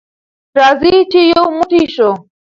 راځئ چې یو موټی شو.